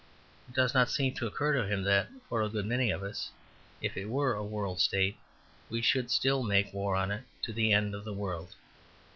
It does not seem to occur to him that, for a good many of us, if it were a world state we should still make war on it to the end of the world.